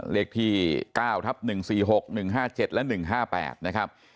เลขที่เก้าทับหนึ่งสี่หกหนึ่งห้าเจ็ดและหนึ่งห้าแปดนะครับ